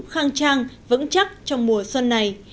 khang trang vững chắc trong mùa xuân này